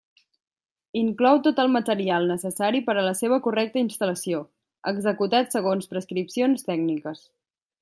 Inclou tot el material necessari per a la seva correcta instal·lació, executat segons prescripcions tècniques.